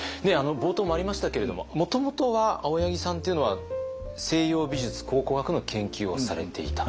冒頭もありましたけれどももともとは青柳さんっていうのは西洋美術考古学の研究をされていた。